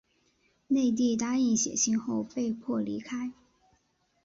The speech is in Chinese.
内蒂答应写信后被迫离开。